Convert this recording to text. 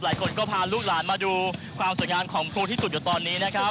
หลายคนก็พาลูกหลานมาดูความสวยงามของครูที่สุดอยู่ตอนนี้นะครับ